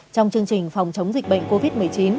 trong chương trình phòng chống dịch bệnh covid một mươi chín